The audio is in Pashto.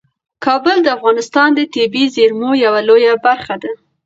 کابل د افغانستان د طبیعي زیرمو یوه لویه برخه ده.